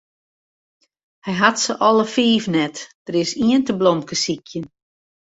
Hy hat se alle fiif net, der is ien te blomkesykjen.